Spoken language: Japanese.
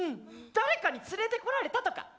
誰かに連れてこられたとか？